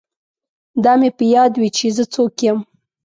دا مې په یاد وي چې زه څوک یم